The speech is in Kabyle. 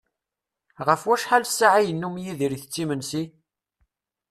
Ɣef wacḥal ssaɛa i yennum Yidir itett imensi?